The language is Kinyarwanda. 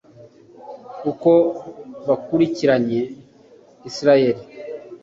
uko bakurikiranye israheli